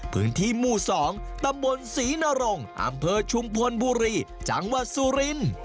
พื้นที่หมู่๒ตำบลศรีนรงอำเภอชุมพลบุรีจังหวัดสุรินทร์